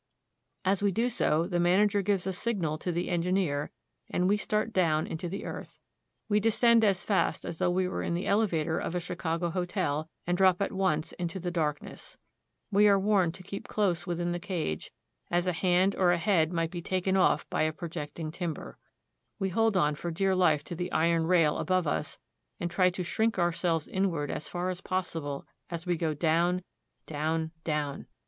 As we do so, the manager gives a signal to the en gineer, and we start down into the earth. We descend as fast as though we were in the elevator of a Chicago hotel, and drop at once into the darkness. We are warned to keep close within the cage, as a hand or a head might be taken off by a projecting timber. We hold on for dear life to the iron rail above us, and try to shrink ourselves inward as far as possible as we go down, down, down.